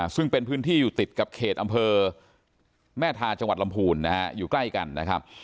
ซึ่งเป็นพื้นที่อยู่ติดกับเขตอำเภอแม่ทาจังหวัดลำพูนนะฮะอยู่ใกล้กันนะครับ